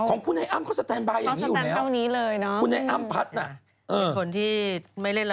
ของพี่อัมเขาสูงแบบนี้มานานแล้ว